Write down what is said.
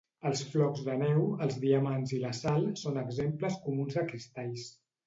Els flocs de neu, els diamants i la sal són exemples comuns de cristalls.